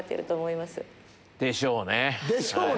でしょうね